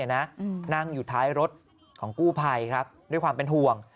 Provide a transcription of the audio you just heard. นั่งอยู่ท้ายรถของกู้ภัยครับด้วยความเป็นห่วง